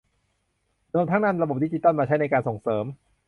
รวมทั้งนำระบบดิจิทัลมาใช้ในการส่งเสริม